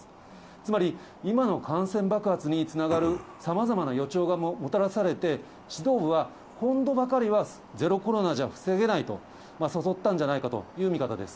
つまり、今の感染爆発につながるさまざまな予兆がもたらされて、指導部は、今度ばかりはゼロコロナじゃ防げないと悟ったんじゃないかという見方です。